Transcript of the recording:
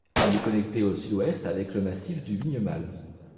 Il est connecté au sud-ouest avec le massif du Vignemale.